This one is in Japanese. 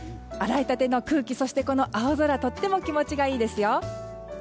洗いたての空気、そして青空とっても気持ちがいいですよ。